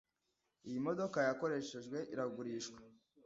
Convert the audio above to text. Iyi modoka yakoreshejwe iragurishwa.